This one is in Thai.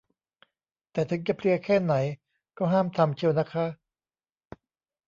แต่ถึงจะเพลียแค่ไหนก็ห้ามทำเชียวนะคะ